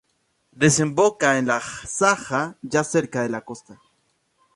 Desemboca en el Saja, ya cerca de la costa.